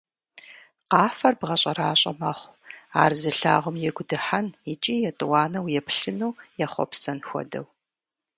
Къафэр бгъэщӀэращӀэ мэхъу, ар зылъагъум игу дыхьэн икӀи етӀуанэу еплъыну ехъуэпсэн хуэдэу.